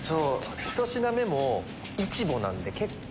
１品目もイチボなんで結構。